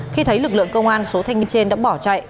khi thấy lực lượng công an số thanh niên trên đã bỏ chạy